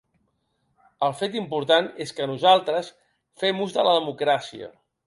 El fet important és que nosaltres fem ús de la democràcia.